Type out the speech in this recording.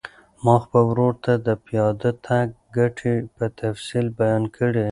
ما خپل ورور ته د پیاده تګ ګټې په تفصیل بیان کړې.